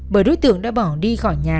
bởi đối tượng đã bỏ đi khỏi nhà